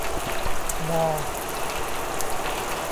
มอ